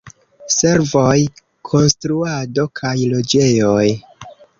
Servoj, konstruado kaj loĝejoj.